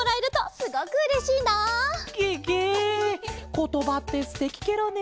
ことばってすてきケロね。